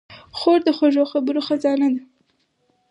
خور د خوږو خبرو خزانه ده.